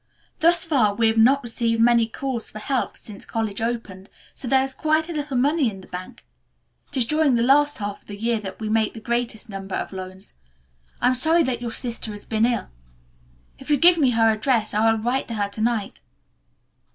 Thus far we have not received many calls for help since college opened, so there is quite a little money in bank. It is during the last half of the year that we make the greatest number of loans. I am sorry that your sister has been ill. If you will give me her address I will write to her to night."